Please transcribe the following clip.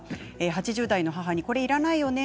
８０代の母にこれいらないよね？